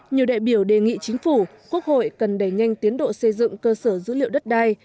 nhiều đại biểu đề nghị chính phủ quốc hội cần đẩy nhanh tiến độ xây dựng cơ sở dữ liệu đất đai